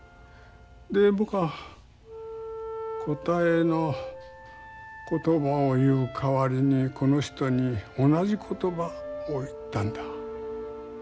で僕は答えの言葉を言うかわりにこの人に同じ言葉を言ったんだ。